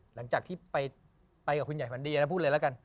หลังจากที่ไปกับคุณใหญ่ฝันดีนะพูดเลยแล้วกัน